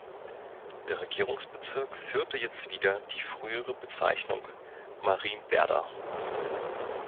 Der Regierungsbezirk führte jetzt wieder die frühere Bezeichnung „Marienwerder“.